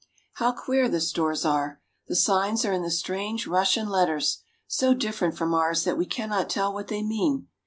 How queer the stores are. The signs are in the strange Russian letters, so different from ours that we cannot tell what they mean.